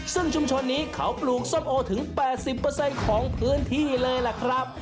ซึ่งชุมชนนี้เขาปลูกสมโอถึงแปดสิบเปอร์เซ็นต์ของพื้นที่เลยล่ะครับ